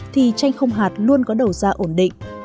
thì chanh không hạt luôn có đầu ra ổn định